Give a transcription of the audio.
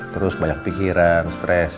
terus banyak pikiran stress